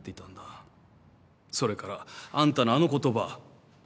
それからあんたのあの言葉。